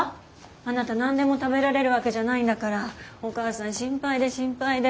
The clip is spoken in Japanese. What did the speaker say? あなた何でも食べられるわけじゃないんだからお母さん心配で心配で。